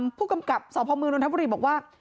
ทางผู้กำกับสมนทัพบุรีบอกว่า